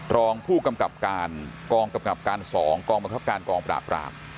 รองผู้กำกับการกองกำกับการ๒กองบังคับการกองปราบราม